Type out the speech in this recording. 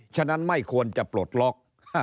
ฉะนั้นไม่ควรจะปลดล็อก